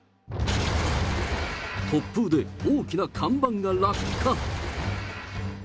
突風で大きな看板が落下。